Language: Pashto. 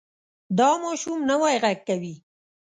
دا ماشوم نوی غږ کوي.